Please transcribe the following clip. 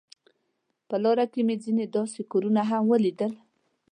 په لار کې مې ځینې داسې کورونه هم ولیدل.